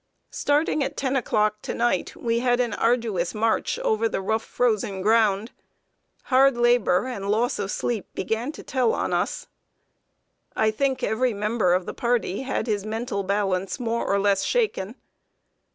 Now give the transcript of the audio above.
Starting at ten o'clock to night, we had an arduous march over the rough, frozen ground. Hard labor and loss of sleep began to tell upon us. I think every member of the party had his mental balance more or less shaken.